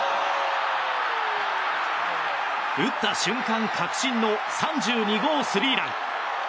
打った瞬間確信の３２号スリーラン。